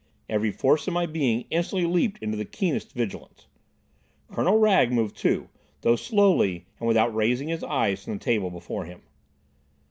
Every force in my being instantly leaped into the keenest vigilance. Colonel Wragge moved too, though slowly, and without raising his eyes from the table before him.